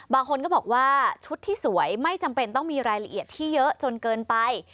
บางคนก็บอกว่าชุดที่สวยไม่จำเป็นต้องมีรายละเอียดที่เยอะจนเกินไป